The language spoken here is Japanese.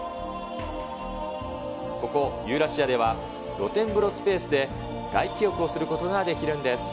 ここ、ユーラシアでは、露天風呂スペースで外気浴をすることができるんです。